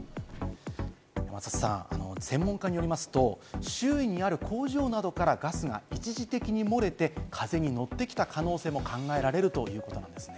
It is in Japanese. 山里さん、専門家によりますと、周囲にある工場などからガスが一時的に漏れて、風に乗ってきた可能性も考えられるということなんですね。